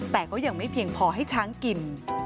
แต่ก็ยังไม่เพียงพอให้ช้างกิน